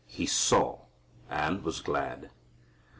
He saw ... and was glad."